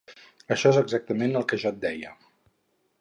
Això és exactament el que jo et deia!